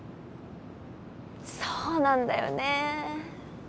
そうなんだよね。